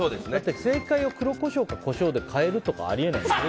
正解を黒コショウかコショウかで変えるとかあり得ないので。